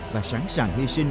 và sẵn sàng hy sinh